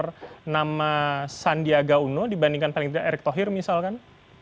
atau nama sandiaga uno dibandingkan paling tidak erik tohir misalkan